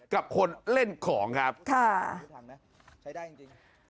กับคนเล่นของครับค่ะใช้ได้จริง